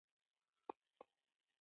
اس او خر ډېرې ګډې ځانګړتیاوې لري.